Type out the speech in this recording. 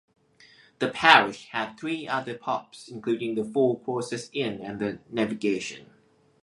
The parish had three other pubs including the Four Crosses Inn and the Navigation.